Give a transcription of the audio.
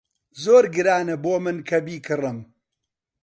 زۆر گرانە بۆ من کە بیکڕم.